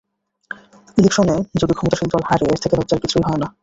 ইলেকশনে যদি ক্ষমতাশীল দল হারে এর থেকে লজ্জার কিছুই হয় না।